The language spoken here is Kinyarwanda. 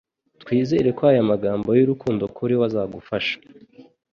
Twizere ko aya magambo y'urukundo kuri we azagufasha .